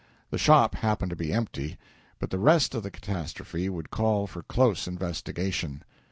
The shop happened to be empty, but the rest of the catastrophe would call for close investigation.